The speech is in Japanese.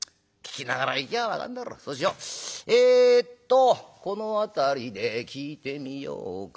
えっとこの辺りで聞いてみようか。